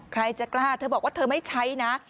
ใครจะกล้าเธอบอกว่าเธอไม่ใช้นะ